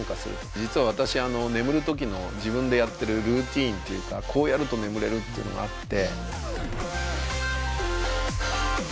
実は私眠る時の自分でやってるルーティンというかこうやると眠れるっていうのがあって。